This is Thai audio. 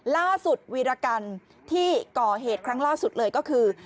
ล่าสุดวีรกัณฑ์ที่ก่อเหตุครั้งล่าสุดเลยก็คือ